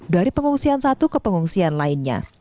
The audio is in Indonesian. dari pengungsian satu ke pengungsian lainnya